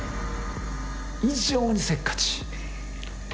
異常にせっかち。